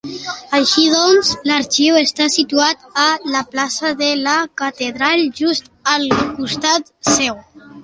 Així doncs, l'arxiu està situat a la plaça de la Catedral, just al costat seu.